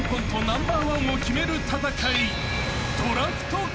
ナンバーワンを決める戦い］